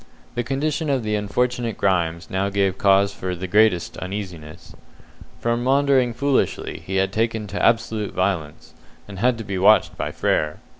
The condition of the unfortunate Grimes now gave cause for the greatest uneasiness. From maundering foolishly he had taken to absolute violence, and had to be watched by Frere.